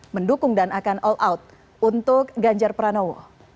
mendukung dan akan all out untuk ganjar pranowo